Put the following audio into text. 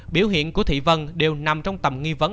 biểu hiện của thị vân đều nằm trong tầm nghi vấn